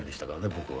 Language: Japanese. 僕は。